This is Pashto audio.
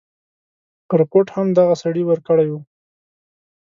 رپوټ هم دغه سړي ورکړی وو.